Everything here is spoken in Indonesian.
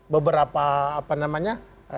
beberapa apa namanya